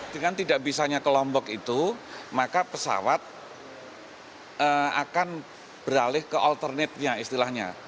dengan tidak bisanya ke lombok itu maka pesawat akan beralih ke alternate nya istilahnya